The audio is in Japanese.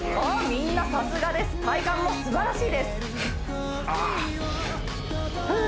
みんなさすがです体幹もすばらしいですああふう